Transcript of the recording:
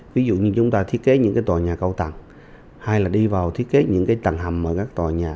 ví dụ như chúng ta thiết kế những tòa nhà cầu tặng hay là đi vào thiết kế những tầng hầm ở các tòa nhà